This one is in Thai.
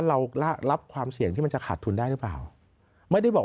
โอกาสที่จะขาดทุนก็จะมีน้อย